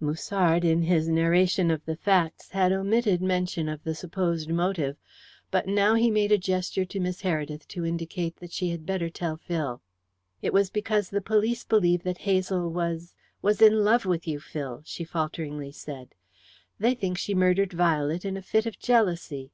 Musard, in his narration of the facts, had omitted mention of the supposed motive, but he now made a gesture to Miss Heredith to indicate that she had better tell Phil. "It was because the police believe that Hazel was was in love with you, Phil," she falteringly said. "They think she murdered Violet in a fit of jealousy."